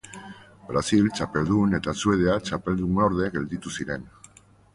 Brasil txapeldun eta Suedia txapeldunorde gelditu ziren.